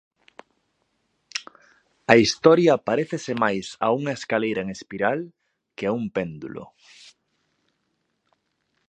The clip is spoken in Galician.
A historia parécese máis a unha escaleira en espiral que a un péndulo.